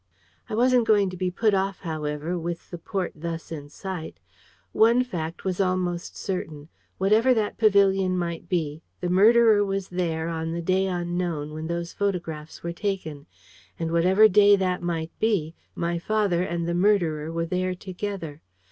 I wasn't going to be put off, however, with the port thus in sight. One fact was almost certain. Wherever that pavilion might be, the murderer was there on the day unknown when those photo graphs were taken. And whatever that day might be, my father and the murderer were there together.